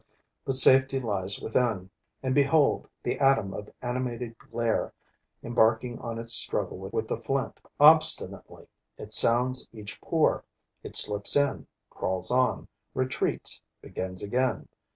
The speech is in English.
But safety lies within; and behold the atom of animated glair embarking on its struggle with the flint. Obstinately, it sounds each pore; it slips in, crawls on, retreats, begins again.